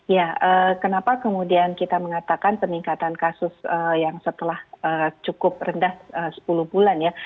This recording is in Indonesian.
ya kenapa kemudian kita mengatakan peningkatan kasus yang setelah cukup rendah sepuluh bulan ya